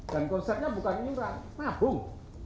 dan konsepnya bukan murah nabung